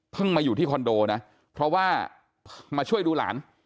มาอยู่ที่คอนโดนะเพราะว่ามาช่วยดูหลาน